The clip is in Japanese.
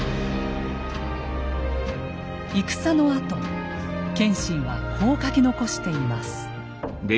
戦のあと謙信はこう書き残しています。